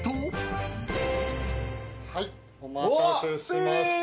はいお待たせしました。